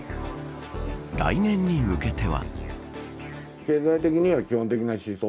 来年に向けては。